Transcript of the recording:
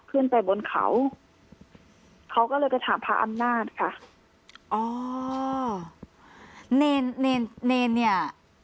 ขึ้นไปบนเขาเขาก็เลยไปถามพระอำนาจค่ะอ๋อเนรเนรเนรเนี่ย